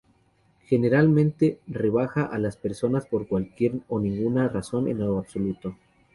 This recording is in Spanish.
Generalmente rebaja a las personas por cualquier o ninguna razón en lo absoluto.